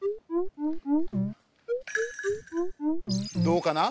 どうかな？